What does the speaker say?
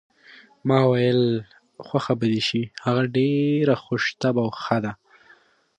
ما وویل: خوښه به دې شي، هغه ډېره خوش طبع او ښه ده.